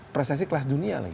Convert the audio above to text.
prestasi kelas dunia lagi